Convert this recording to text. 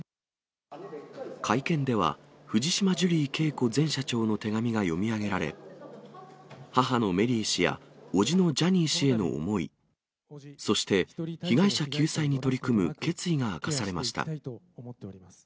会見では、藤島ジュリー景子前社長の手紙が読み上げられ、母のメリー氏や叔父のジャニー氏への思い、そして被害者救済に取り組む決意が明かされました。